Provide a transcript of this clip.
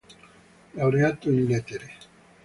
Laureato in Lettere.